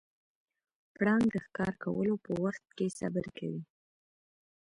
پړانګ د ښکار کولو په وخت کې صبر کوي.